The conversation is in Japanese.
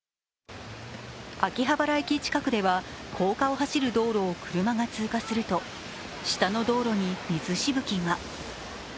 秋葉原駅近くでは、高架を走る車が通過すると下の道路に水しぶきが。